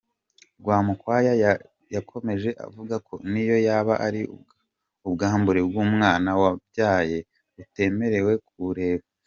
Rwamukwaya yakomeje avuga ko n’iyo yaba ari ubwambure bw’umwana wabyaye utemerewe kubureba.